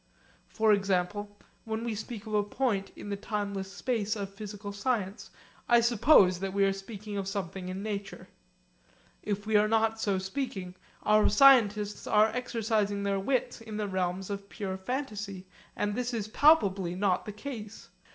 For example, when we speak of a point in the timeless space of physical science, I suppose that we are speaking of something in nature. If we are not so speaking, our scientists are exercising their wits in the realms of pure fantasy, and this is palpably not the case.